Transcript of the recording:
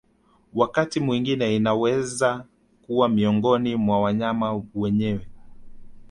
Wakati mwingine inaweza kuwa miongoni mwa wanyama wenyewe